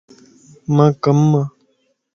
مانک ڪم ا